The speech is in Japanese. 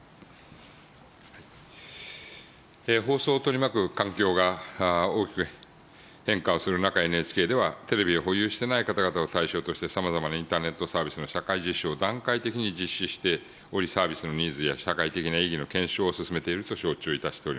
放送を取り巻く環境が大きく変化をする中、ＮＨＫではテレビを保有していない方々を対象としてさまざまなインターネットサービスの社会実証を段階的に実施しており、サービスのニーズや社会的な意義の検証を進めていると承知をいたしております。